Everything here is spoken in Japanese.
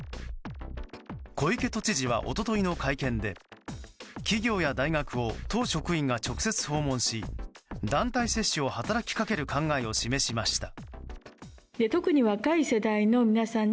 小池都知事は一昨日の会見で企業や大学を都職員が直接訪問し団体接種を働きかける考えを示しました。